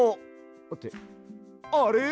ってあれ！？